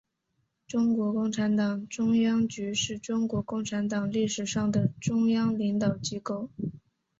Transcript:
中国共产党中央局是中国共产党历史上的中央领导机构。